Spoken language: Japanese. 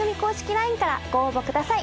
ＬＩＮＥからご応募ください。